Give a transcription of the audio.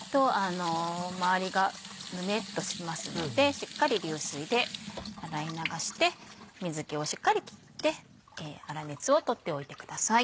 周りがぬめっとしますのでしっかり流水で洗い流して水気をしっかり切って粗熱を取っておいてください。